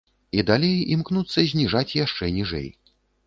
І далей імкнуцца зніжаць яшчэ ніжэй.